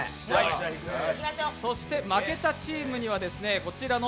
そして負けたチームにはこちらの